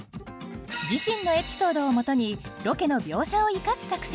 自身のエピソードをもとにロケの描写を生かす作戦。